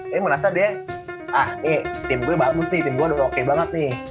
ini merasa deh ah nih tim gue bagus nih tim gue oke banget nih